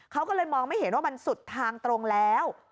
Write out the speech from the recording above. เขาก็เลยมองไม่เห็นว่ามันสุดทางตรงแล้ว